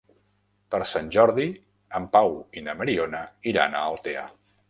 Per Sant Jordi en Pau i na Mariona iran a Altea.